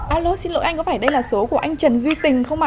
alos xin lỗi anh có phải đây là số của anh trần duy tình không ạ